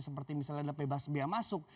seperti misalnya ada bebas biaya masuk